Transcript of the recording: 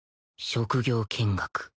職業見学